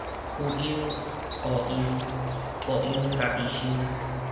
有樣學樣，無樣家己想